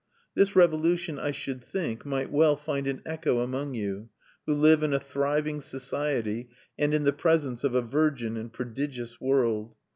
This revolution, I should think, might well find an echo among you, who live in a thriving society, and in the presence of a virgin and prodigious world.